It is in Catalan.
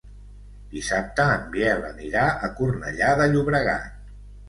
Dissabte en Biel anirà a Cornellà de Llobregat.